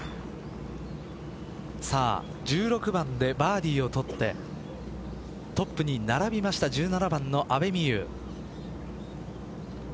１６番でバーディーを取ってトップに並びました１７番の阿部未悠。